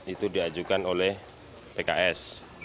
itu diajukan oleh pks